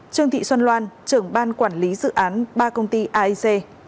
ba trương thị xuân loan trưởng ban quản lý dự án ba công ty aic